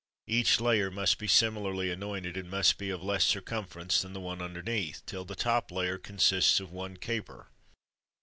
Each layer must be similarly anointed, and must be of less circumference than the one underneath, till the top layer consists of one caper.